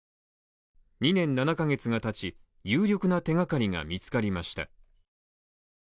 ２年７ヶ月が経ち、有力な手がかりが見つかりました。